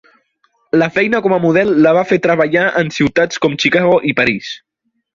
La feina com a model la va fer treballar en ciutats com Chicago i París.